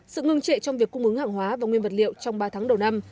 sự ngưng trệ trong việc cung ứng hàng hóa và nguyên vật liệu trong ba tháng đầu năm